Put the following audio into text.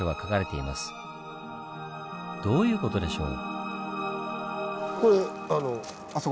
どういう事でしょう？